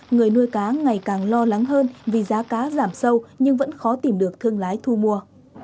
người nuôi cá ngày càng lo lắng hơn vì giá cá giảm sâu nhưng vẫn khó tìm được thương lái thu mua